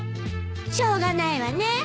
しょうがないわね。